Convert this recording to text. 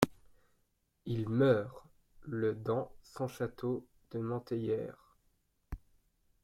Il meurt le dans son château de Manteyer.